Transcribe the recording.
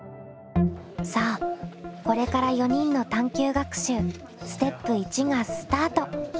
さあこれから４人の探究学習ステップ１がスタート！